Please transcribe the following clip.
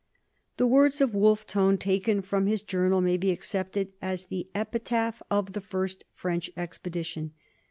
The words of Wolfe Tone, taken from his journal, may be accepted as the epitaph of the first French expedition.